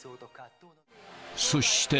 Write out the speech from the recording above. そして。